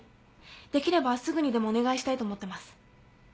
できればすぐにでもお願いしたいと思ってます。